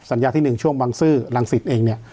สัญญาที่หนึ่งช่วงบังซื้อลังศิษย์เองเนี่ย